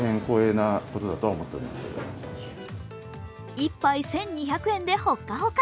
１杯１２００円で、ほっかほか。